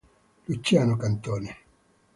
Luciano Cantone